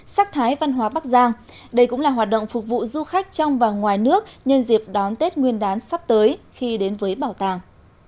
sắc thái văn hóa bắc giang đây cũng là hoạt động phục vụ du khách trong và ngoài nước nhân dịp đón tết nguyên đán sắp tới khi đến với bảo tàng